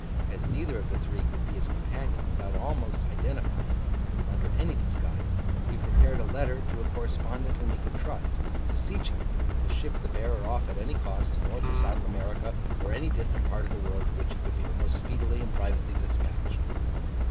As neither of the three could be his companion without almost identifying him under any disguise, he prepared a letter to a correspondent whom he could trust, beseeching him to ship the bearer off at any cost, to North or South America, or any distant part of the world to which he could be the most speedily and privately dispatched.